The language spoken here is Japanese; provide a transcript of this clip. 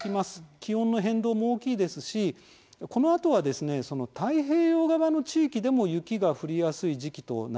気温の変動も大きいですしこのあとは、太平洋側の地域でも雪が降りやすい時期となります。